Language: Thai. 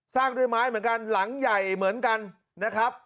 ด้วยไม้เหมือนกันหลังใหญ่เหมือนกันนะครับ